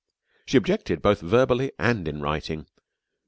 She objected both verbally and in writing.